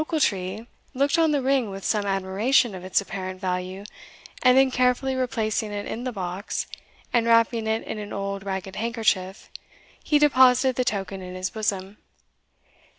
Ochiltree looked on the ring with some admiration of its apparent value, and then carefully replacing it in the box, and wrapping it in an old ragged handkerchief, he deposited the token in his bosom.